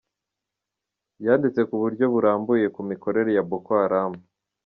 Yanditse ku buryo burambuye ku mikorere ya Boko Haram.